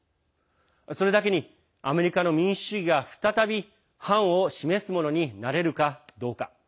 それだけにアメリカの民主主義が再び、範を示すものになれるかどうか。